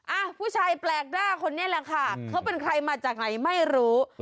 อ่ะผู้ชายแปลกหน้าคนนี้แหละค่ะเขาเป็นใครมาจากไหนไม่รู้